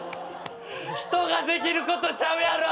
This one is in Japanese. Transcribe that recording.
人ができることちゃうやろ！